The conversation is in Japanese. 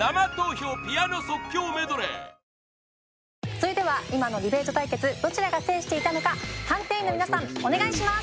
それでは今のディベート対決どちらが制していたのか判定員の皆さんお願いします！